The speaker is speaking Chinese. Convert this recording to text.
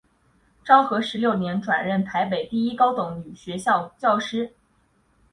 昭和十六年转任台北第一高等女学校教师。